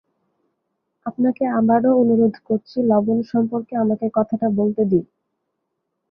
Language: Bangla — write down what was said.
আপনাকে আবারো অনুরোধ করছি লবণ সম্পর্কে আমাকে কথাটা বলতে দিন।